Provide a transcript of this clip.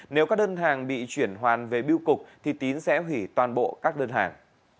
nếu các đơn hàng bị chuyển hoàn về biêu cục thì tín sẽ hủy toàn bộ các đơn hàng